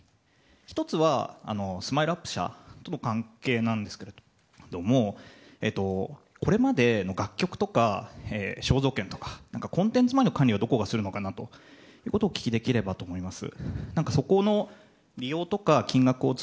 １つはＳＭＩＬＥ‐ＵＰ．社との関連なんですがこれまでの楽曲とか肖像権とかコンテンツ周りの管理はどこがするのかなということをお聞きできればと思います。